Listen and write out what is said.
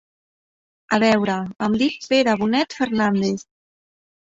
A veure, em dic Pere Bonet Fernández.